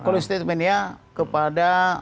kalau statementnya kepada